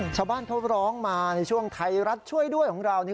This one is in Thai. ชาวบ้านเขาร้องมาในช่วงไทยรัฐช่วยด้วยของเรานี่